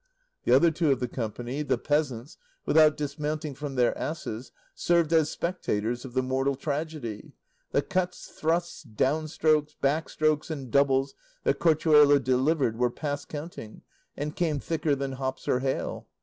The other two of the company, the peasants, without dismounting from their asses, served as spectators of the mortal tragedy. The cuts, thrusts, down strokes, back strokes and doubles, that Corchuelo delivered were past counting, and came thicker than hops or hail.